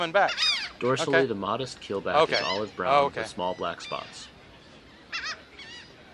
Dorsally the modest keelback is olive brown with small black spots.